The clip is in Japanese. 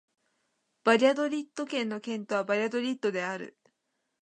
バリャドリッド県の県都はバリャドリッドである